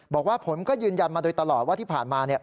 บอกว่าผมก็ยืนยันมาโดยตลอดว่าที่ผ่านมา